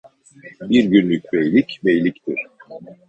Bir günlük beylik, beyliktir.